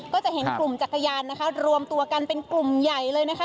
ก็จะเห็นกลุ่มจักรยานนะคะรวมตัวกันเป็นกลุ่มใหญ่เลยนะคะ